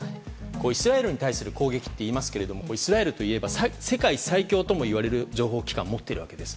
イスラエルに対する攻撃といいますがイスラエルといえば世界最強ともいわれる情報機関を持っているわけです。